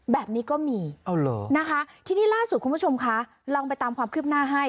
แบบนี้ก็มีนะคะทีนี้ล่าสุดคุณผู้ชมคะลองไปตามความคืบหน้าให้